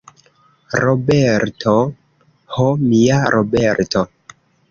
Roberto, ho, mia Roberto!